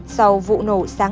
sau vụ nổ sáng